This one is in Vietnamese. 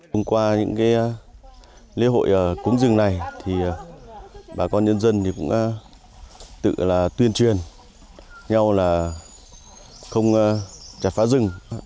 hôm qua những lễ hội cúng rừng này bà con nhân dân cũng tự tuyên truyền nhau là không chặt phá rừng